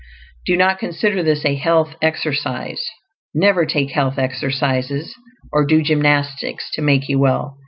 Do not consider this a "health exercise"; _never take health exercises, or do gymnastics to make you well.